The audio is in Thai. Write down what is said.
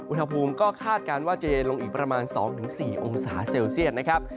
อุณหภูมิก็คาดการณ์ว่าจะเย็นลงอีกประมาณ๒๔องศาเซลเซียตนะครับ